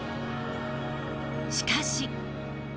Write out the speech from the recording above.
しかし。